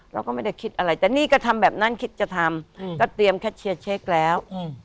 เราก็ไม่ได้คิดอะไรแต่นี่ก็ทำแบบนั้นคิดจะทำก็เตรียมแคทเชียร์เช็คแล้ว